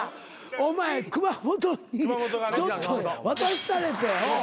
お前熊元にちょっと渡したれって。